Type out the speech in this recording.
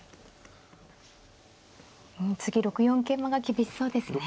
次６四桂馬が厳しそうですね。